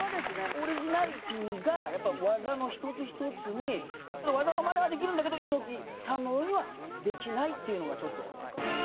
オリジナリティーがやっぱり技の１つ１つに技のマネはできるんだけど猪木さんのようにはできないっていうのがちょっと。